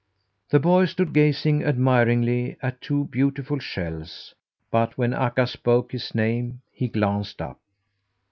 The boy stood gazing admiringly at two beautiful shells, but when Akka spoke his name, he glanced up.